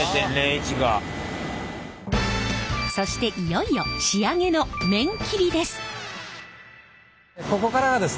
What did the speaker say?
そしていよいよ仕上げの麺切りです。